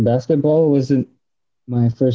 basket itu sendiri dari